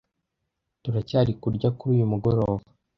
Turacyari kurya kuri uyu mugoroba?